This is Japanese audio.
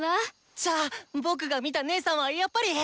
じゃあ僕が見た姐さんはやっぱり。